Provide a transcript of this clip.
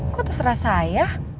kok terserah saya